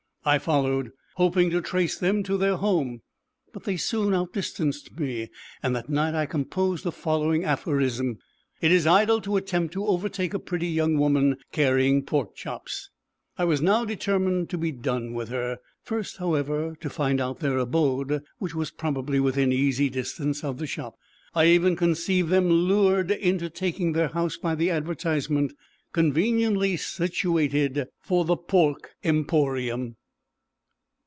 I followed, hoping to trace them to their home, but they soon out distanced me, and that night I composed the following aphorism: It is idle to attempt to overtake a pretty young woman carrying pork chops. I was now determined to be done with her. First, however, to find out their abode, which was probably within easy distance of the shop. I even conceived them lured into taking their house by the advertisement, "Conveniently situated for the Pork Emporium."